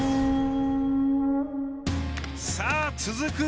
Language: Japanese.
さあ続く